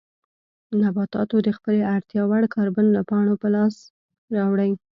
نباتاتو د خپلې اړتیا وړ کاربن له پاڼو په لاس راوړي.